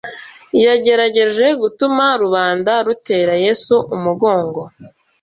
yagerageje gutuma rubanda rutera Yesu umugongo